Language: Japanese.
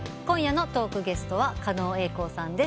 今夜のトークゲストは狩野英孝さん。